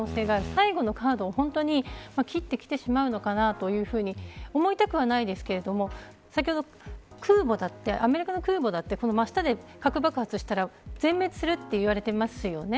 最後のカードを切ってきてしまう可能性があるのかというふうに思いたくはないですけれども先ほどアメリカの空母だってこの真下で核爆発したら全滅すると言われてますよね。